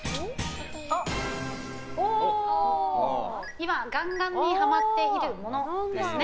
今ガンガンにハマっているもの。